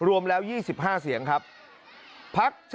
วัลนี้สมบูรณ์